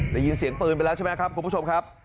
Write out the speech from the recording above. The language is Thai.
ได้ยินเสียงปืนไปแล้วใช่ไหมครับคุณผู้ชมครับ